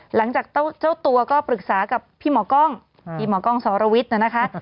หลังจากเจ้าตัวก็ปรึกษากับพี่หมอกล้องพี่หมอกล้องสรวิทย์นะคะ